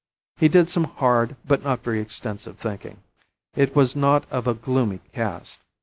He did some hard but not very extensive thinking. It was not of a gloomy cast.